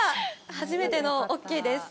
初めてのオーケーです。